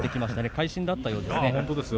会心だったようですね。